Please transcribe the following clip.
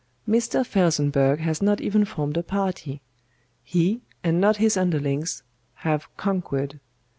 Mr. FELSENBURGH has not even formed a party. He, and not his underlings, have conquered.